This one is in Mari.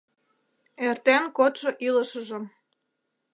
Эртен кодшо илышыжым